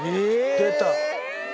出た。